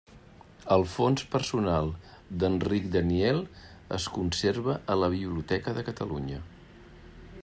El fons personal d'Enric Daniel es conserva a la Biblioteca de Catalunya.